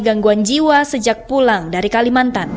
gangguan jiwa sejak pulang dari kalimantan